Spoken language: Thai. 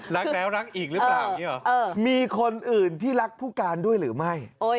รักแล้วรักอีกหรือเปล่ามีคนอื่นที่รักผู้การด้วยหรือไม่